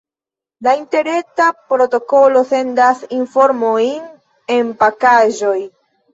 La interreta protokolo sendas informojn en pakaĵoj.